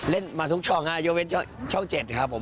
เล่นมาทุกช่องยช่องเจ็ดครับ